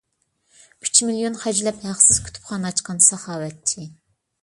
ئۈچ مىليون خەجلەپ ھەقسىز كۇتۇپخانا ئاچقان ساخاۋەتچى.